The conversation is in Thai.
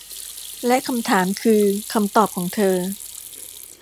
และคำถามคือคำตอบของเธอ